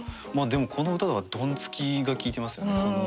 でもこの歌では「ドンつき」が効いてますよね。